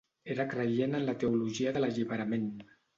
Era creient en la Teologia de l'Alliberament.